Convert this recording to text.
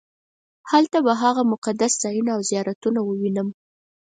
هلته به هغه مقدس ځایونه او زیارتونه ووینم.